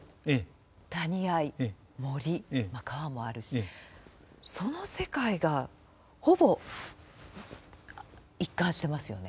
谷あい森川もあるしその世界がほぼ一貫してますよね。